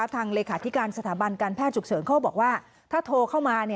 เลขาธิการสถาบันการแพทย์ฉุกเฉินเขาบอกว่าถ้าโทรเข้ามา